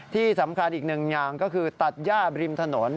ที่สำคัญอีกหนึ่งอย่างก็คือตัดย่าบริมถนน